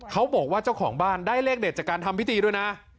เขาบอกว่าเจ้าของบ้านได้เลขเด็ดจากการทำพิธีด้วยนะ